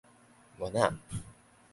原仔